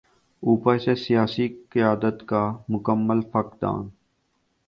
اوپر سے سیاسی قیادت کا مکمل فقدان۔